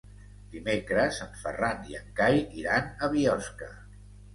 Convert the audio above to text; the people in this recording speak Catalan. Dimecres en Ferran i en Cai iran a Biosca.